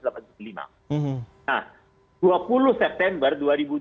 nah dua puluh september dua ribu dua puluh